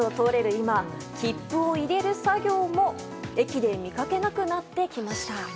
今切符を入れる作業も駅で見かけなくなってきました。